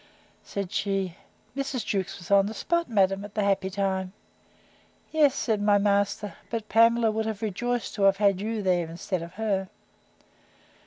Said she, Mrs. Jewkes was on the spot, madam, at the happy time. Yes, said my master; but Pamela would have rejoiced to have had you there instead of her.